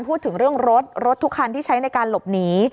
พูดถึงเรื่องรถรถทุกคันที่ใช้ในการหลบหนี